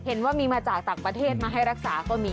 เห็นว่ามีมาจากต่างประเทศมาให้รักษาก็มี